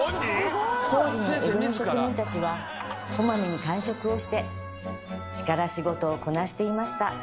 当時の江戸の職人たちはこまめに間食をして力仕事をこなしていました。